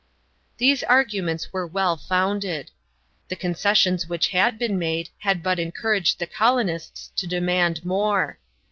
These arguments were well founded. The concessions which had been made had but encouraged the colonists to demand more.